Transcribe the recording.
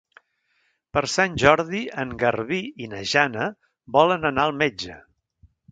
Per Sant Jordi en Garbí i na Jana volen anar al metge.